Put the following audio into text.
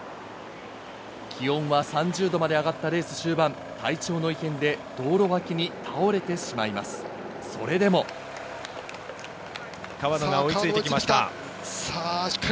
気温は３０度まで上がったレース終盤、体調の異変で道路脇に倒れ川野が追いついてきました。